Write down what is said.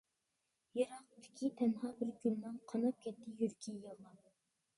يىراقتىكى تەنھا بىر گۈلنىڭ، قاناپ كەتتى يۈرىكى يىغلاپ.